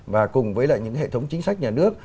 và cùng với lại những hệ thống chính sách nhà nước